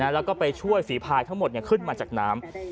แล้วก็ไปช่วยฝีพายทั้งหมดขึ้นมาจากน้ำ